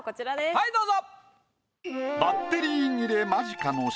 はいどうぞ！